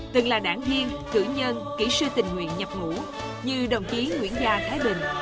từng là đảng viên cử nhân kỹ sư tình nguyện nhập ngũ như đồng chí nguyễn gia thái bình